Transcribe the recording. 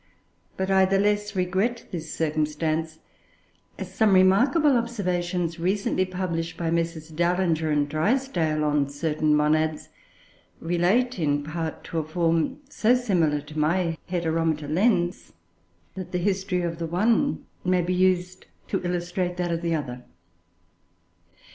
But I the less regret this circumstance, as some remarkable observations recently published by Messrs. Dallinger and Drysdale on certain Monads, relate, in part, to a form so similar to my Heteromita lens, that the history of the one may be used to illustrate that of the other.